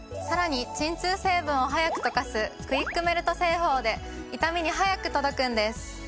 さらに鎮痛成分を速く溶かすクイックメルト製法で痛みに速く届くんです。